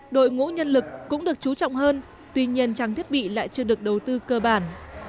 đội ngũ nhân lực cũng được chú trọng hơn tuy nhiên trang thiết bị lại chưa được đầu tư cơ bản